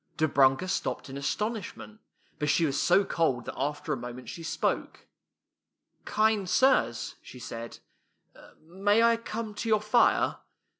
Dobrunka stopped in astonishment, but she was so cold that after a moment she spoke. " Kind sirs,'' she said, " may I come to your fii'e?